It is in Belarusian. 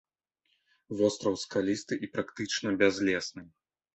Востраў скалісты і практычна бязлесны.